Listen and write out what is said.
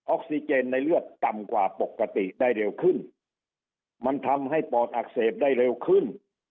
ออกซิเจนในเลือดต่ำกว่าปกติได้เร็วขึ้นมันทำให้ปอดอักเสบได้เร็วขึ้น